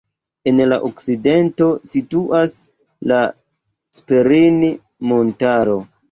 En la okcidento situas la Sperrin-montaro.